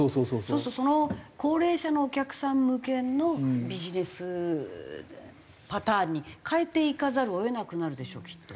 そうするとその高齢者のお客さん向けのビジネスパターンに変えていかざるを得なくなるでしょきっと。